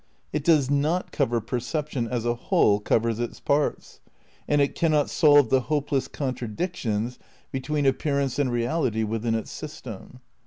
It does not cover perception as a whole covers its parts. And it cannot solve the ni THE CRITICAL PREPARATIONS 71 hopeless contradictions between appearance and reality within its system.